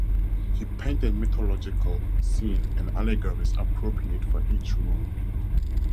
He painted mythological scenes and allegories appropriate for each room.